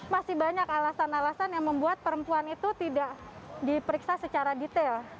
masih banyak alasan alasan yang membuat perempuan itu tidak diperiksa secara detail